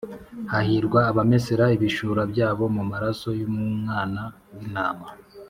Hahirwa abamesera ibishura byabo mu maraso y’umwana w’intama